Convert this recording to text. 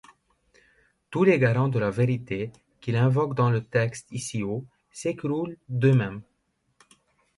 Tous les garants de la vérité qu'ils invoquent dans le texte ici-haut s'écroulent d'eux-même.